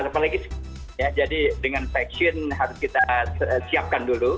apalagi ya jadi dengan faction harus kita siapkan dulu